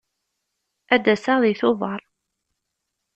Ad d-aseɣ deg Tubeṛ.